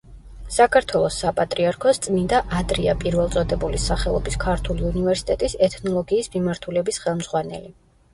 საქართველოს საპატრიარქოს წმიდა ანდრია პირველწოდებულის სახელობის ქართული უნივერსიტეტის ეთნოლოგიის მიმართულების ხელმძღვანელი.